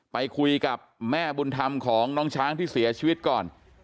ไปคุยกับแม่บุญธรรมของน้องช้างที่เสียชีวิตก่อน